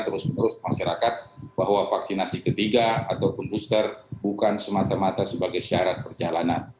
terus menerus masyarakat bahwa vaksinasi ketiga ataupun booster bukan semata mata sebagai syarat perjalanan